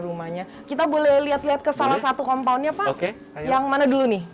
rumahnya kita boleh lihat lihat ke salah satu komponennya pak yang mana dulu nih